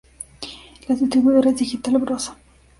La distribuidora es Digital Bros.